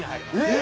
え！